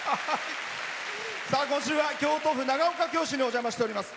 今週は京都府長岡京市にお邪魔しております。